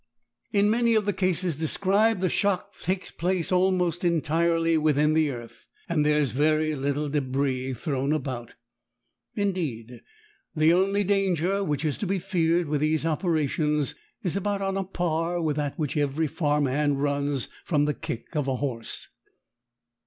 In many of the cases described, the shock takes place almost entirely within the earth and there is very little debris thrown about. Indeed the only danger which is to be feared with these operations is about on a par with that which every farm hand runs from the kick of a horse.